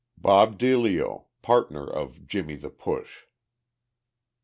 BOB DEILIO, partner of "Jimmy the Push."